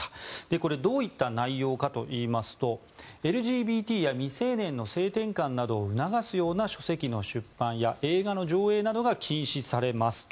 これ、どんな内容かというとＬＧＢＴや未成年の性転換などを促すような書籍の出版や映画の上映などが禁止されますと。